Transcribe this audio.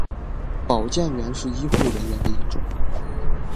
保健员是医护人员的一种。